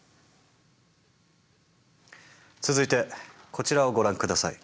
続いてこちらをご覧下さい。